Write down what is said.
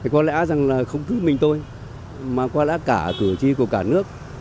có lẽ là không cứ mình thôi mà có lẽ cả cử tri của cả nước